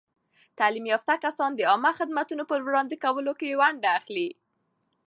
تعلیم یافته کسان د عامه خدمتونو په وړاندې کولو کې ونډه اخلي.